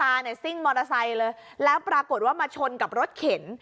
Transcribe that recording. เนี่ยซิ่งมอเตอร์ไซค์เลยแล้วปรากฏว่ามาชนกับรถเข็น